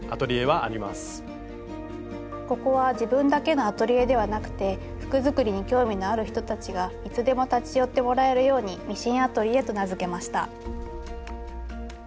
ここは自分だけのアトリエではなくて服作りに興味のある人たちがいつでも立ち寄ってもらえるように「ミシンアトリエ」と名付けました。